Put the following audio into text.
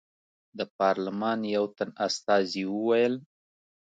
د پارلمان یو تن استازي وویل.